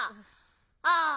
ああ。